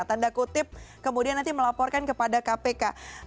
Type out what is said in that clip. tanda kutip kemudian nanti melaporkan kepada kpk